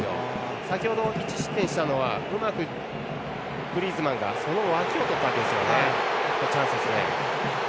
先ほど１失点したのはうまくグリーズマンがその脇をとったわけです。